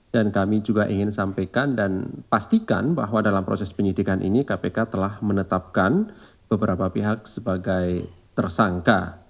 dan kami juga ingin sampaikan dan pastikan bahwa dalam proses penyidikan ini kpk telah menetapkan beberapa pihak sebagai tersangka